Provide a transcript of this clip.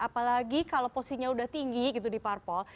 apalagi kalau posisinya udah tinggi gitu di parpol